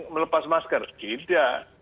melepas masker tidak